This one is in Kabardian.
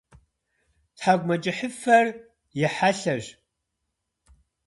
Тхьэкӏумэкӏыхьыфэр и хьэлъэщ.